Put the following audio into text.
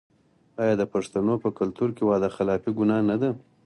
آیا د پښتنو په کلتور کې وعده خلافي ګناه نه ده؟